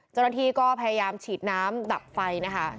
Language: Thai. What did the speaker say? เจ้าหน้าที่ก็พยายามฉีดน้ำดับไฟนะคะ